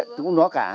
cũng nó cả